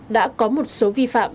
đã có một số vi phạm